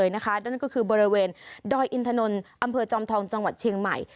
นั่นก็คือบริเวณดอยอินถนนอำเภอจอมทองจังหวัดเชียงใหม่